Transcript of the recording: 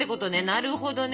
なるほどね。